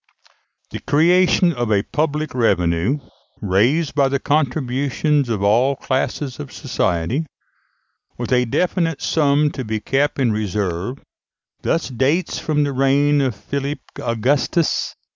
The creation of a public revenue, raised by the contributions of all classes of society, with a definite sum to be kept in reserve, thus dates from the reign of Philip Augustus.